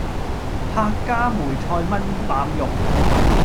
客家梅菜炆腩肉